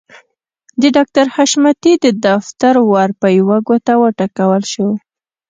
د ډاکټر حشمتي د دفتر ور په يوه ګوته وټکول شو.